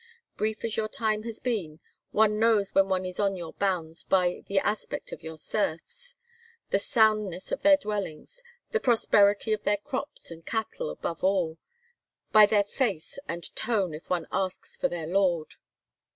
Brief as your time has been, one knows when one is on your bounds by the aspect of your serfs, the soundness of their dwellings, the prosperity of their crops and cattle above all, by their face and tone if one asks for their lord."